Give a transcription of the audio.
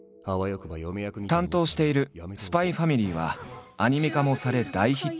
担当している「ＳＰＹ×ＦＡＭＩＬＹ」はアニメ化もされ大ヒット。